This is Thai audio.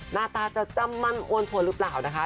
หน้าตาจะจำมั่นโวนส่วนรึเปล่านะคะ